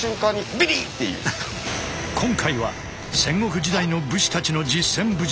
今回は戦国時代の武士たちの実戦武術